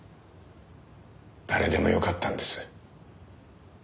誰でもよかったんです。